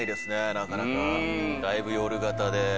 なかなかだいぶ夜型で。